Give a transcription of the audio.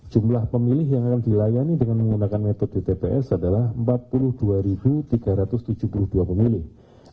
jumlah pemilih yang akan dilayani dengan menggunakan metode tps adalah empat puluh dua tiga ratus tujuh puluh dua pemilih